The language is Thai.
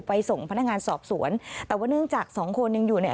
ส่งพนักงานสอบสวนแต่ว่าเนื่องจากสองคนยังอยู่เนี่ย